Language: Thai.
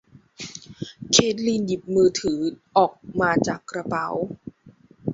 เคทลีนหยิบมือถือออกมาจากกระเป๋า